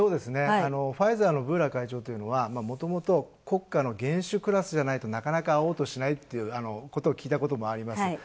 ファイザーのブーラ会長というのはもともと国家の元首クラスじゃないとなかなか会おうとしないっていうことを聞いたこともあります。